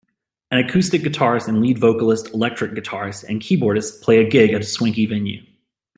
An acoustic guitarist and lead vocalist electric guitarist and a keyboardist play a gig at a swanky venue